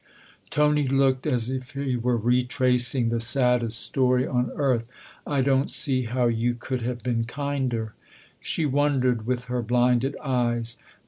Tony looked as if he were retracing the saddest story on earth. " I don't see how you could have been kinder." She wondered with her blinded eyes.